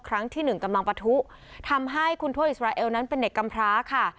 ครั้งที่หนึ่งกำลังปะทุทำให้คุณทั่วอิสราเอลนั้นเป็นเด็กกำพร้าค่ะ